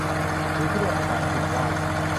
หรือที่เรียกภาษาอังกฤษว่า